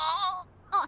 あっ！